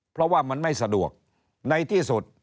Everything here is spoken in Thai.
เพราะว่ามันไม่สะดวกในที่สุด